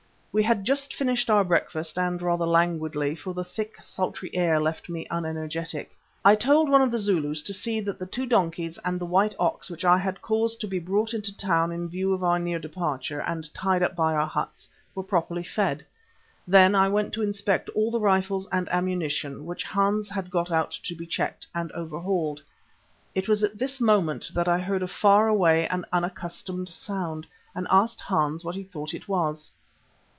We had just finished our breakfast and rather languidly, for the thick, sultry air left me unenergetic, I told one of the Zulus to see that the two donkeys and the white ox which I had caused to be brought into the town in view of our near departure and tied up by our huts, were properly fed. Then I went to inspect all the rifles and ammunition, which Hans had got out to be checked and overhauled. It was at this moment that I heard a far away and unaccustomed sound, and asked Hans what he thought it was.